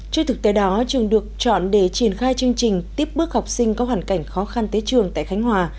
trước thực tế đó trường được chọn để triển khai chương trình tiếp bước học sinh có hoàn cảnh khó khăn tới trường tại khánh hòa